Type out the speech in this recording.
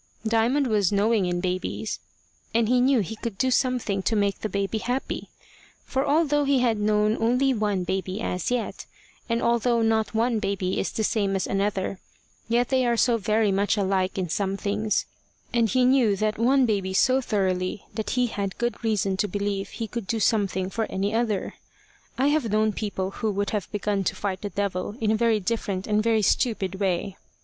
Diamond was knowing in babies, and he knew he could do something to make the baby, happy; for although he had only known one baby as yet, and although not one baby is the same as another, yet they are so very much alike in some things, and he knew that one baby so thoroughly, that he had good reason to believe he could do something for any other. I have known people who would have begun to fight the devil in a very different and a very stupid way.